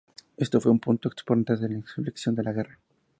Este fue un punto importante de inflexión de la guerra.